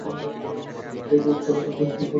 খাঁটি দুধ জ্বাল দিলে তাতে ঘন সর পড়ে।